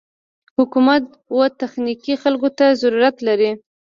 حکومت و تخنيکي خلکو ته ضرورت لري.